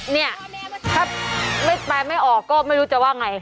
เนี่ยถ้าไม่ไปไม่ออกก็ไม่รู้จะว่าไง